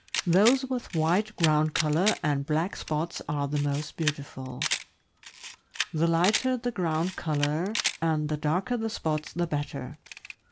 Those with white ground color and black spots are the most beautiful; the lighter the ground color and the darker the spots, the better.